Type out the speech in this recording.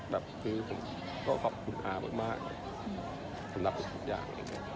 แบบคือผมก็ขอบคุณอามากสำหรับทุกอย่าง